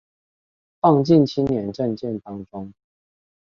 放進青年政見當中